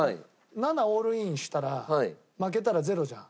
７オールインしたら負けたらゼロじゃん。